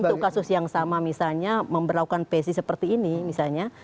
untuk kasus yang sama misalnya memperlakukan pc seperti ini misalnya